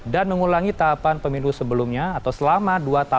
dan mengulangi tahapan pemilu sebelumnya atau selama dua tahun empat bulan tujuh hari